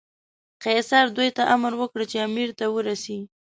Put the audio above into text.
قیصر دوی ته امر وکړ چې امیر ته ورسي.